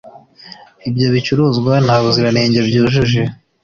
ibyo bicuruzwa ntabuziranenge byujuje